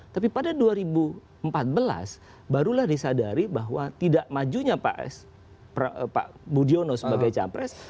tapi pada dua ribu empat belas barulah disadari bahwa tidak majunya pak budiono sebagai capres